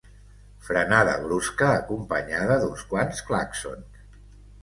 Frenada brusca, acompanyada d'uns quants clàxons.